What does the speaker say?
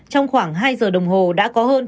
trong khoảng hai giờ đồng hồ đã có hơn